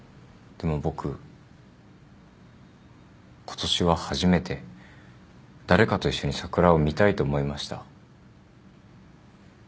でも僕今年は初めて誰かと一緒に桜を見たいと思いました。